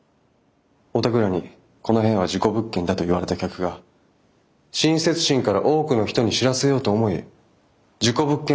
おたくらに「この部屋は事故物件だ」と言われた客が親切心から多くの人に知らせようと思い事故物件サイトに書き込む。